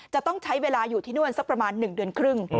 จะต้องใช้เวลาอยู่ที่นู่นสักประมาณ๑เดือนครึ่ง